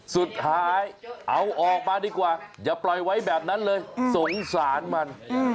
สุดท้ายเอาออกมาดีกว่าอย่าปล่อยไว้แบบนั้นเลยสงสารมัน